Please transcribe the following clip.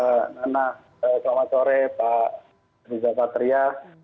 terima kasih mbak nana selamat sore pak riza patria